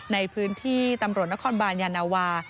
ในพื้นที่ตำรวจนครบานยานาวา